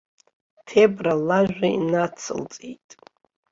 Ҭебра лажәа инацылҵеит.